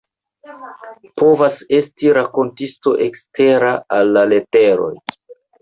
Povas esti rakontisto ekstera al la leteroj.